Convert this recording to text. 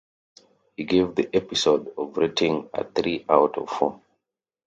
He gave the episode a rating of three out of four.